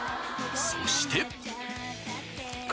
そして。